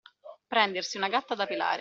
Prendersi una gatta da pelare.